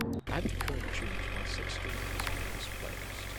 add the current tune to my Six string peacefulness playlist